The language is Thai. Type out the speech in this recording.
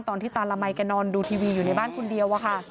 ตอนที่ตาละมัยแกนอนดูทีวีอยู่ในบ้านคนเดียวอะค่ะ